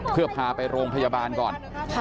เพื่อพาไปโรงพยาบาลก่อน